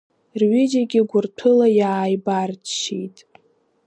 Рҩыџьагьы гәырҭәыла иааибарччеит.